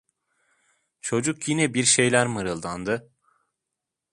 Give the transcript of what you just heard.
Çocuk yine bir şeyler mırıldandı.